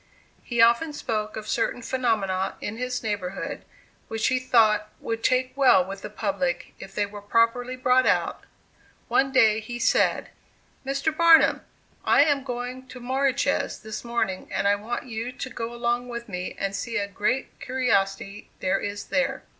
He often spoke of certain phenomena in his neighborhood, which he thought would take well with the public, if they were properly brought out. One day he said: "Mr. Barnum, I am going to Moriches this morning, and I want you to go along with me and see a great curiosity there is there."